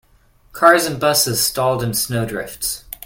Cars and busses stalled in snow drifts.